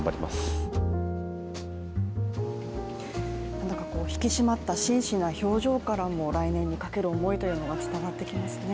なんだか引き締まった真摯な表情からも来年にかける思いが伝わってきますね。